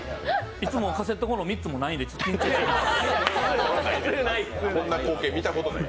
いつもカセットこんろ３つもないんで緊張します。